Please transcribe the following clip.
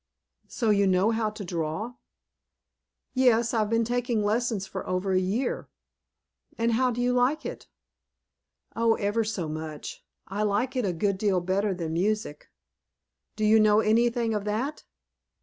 "So you know how to draw?" "Yes, I've been taking lessons for over a year." "And how do you like it?" "Oh, ever so much! I like it a good deal better than music." "Do you know anything of that?"